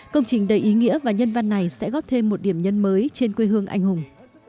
công trình đầy ý nghĩa và nhân văn này sẽ góp thêm một điểm nhân mới trên quê hương anh hùng